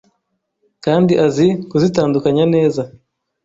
kandi azi kuzitandukanya neza